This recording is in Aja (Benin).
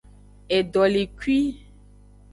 Edolekui.